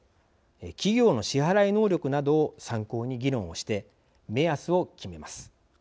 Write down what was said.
企業の支払い能力などを参考に議論をして目安を決めます。